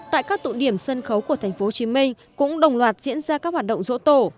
tại các tụ điểm sân khấu của tp hcm cũng đồng loạt diễn ra các hoạt động dỗ tổ